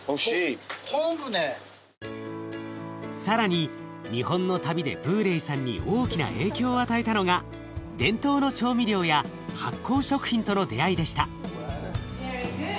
更に日本の旅でブーレイさんに大きな影響を与えたのが伝統の調味料や発酵食品との出会いでした。